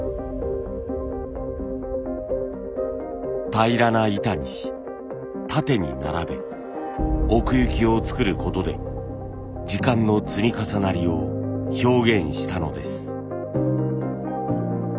平らな板にし縦に並べ奥行きを作ることで時間の積み重なりを表現したのです。